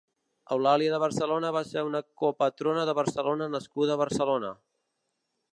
Eulàlia de Barcelona va ser una copatrona de Barcelona nascuda a Barcelona.